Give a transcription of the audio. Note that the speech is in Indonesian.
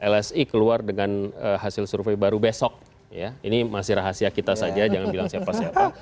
lsi keluar dengan hasil survei baru besok ya ini masih rahasia kita saja jangan bilang siapa siapa